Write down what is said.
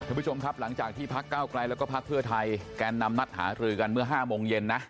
คุณผู้ชมครับหลังจากที่พักเก้าไกลแล้วก็พักเพื่อไทยแกนนำนัดหารือกันเมื่อ๕โมงเย็นนะ